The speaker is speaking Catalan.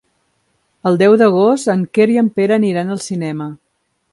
El deu d'agost en Quer i en Pere aniran al cinema.